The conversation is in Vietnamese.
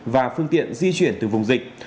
và phương tiện di chuyển từ vùng dịch